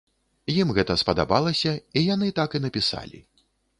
Ім гэта спадабалася, і яны так і напісалі.